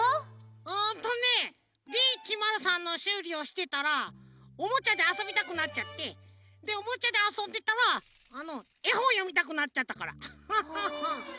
うんとねＤ１０３のしゅうりをしてたらおもちゃであそびたくなっちゃってでおもちゃであそんでたらあのえほんよみたくなっちゃったからアハハハ。